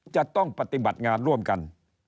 จะต้องปฏิบัติงานร่วมกัน